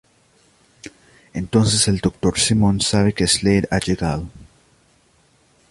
Entonces el Dr. Simon sabe que Slade ha llegado.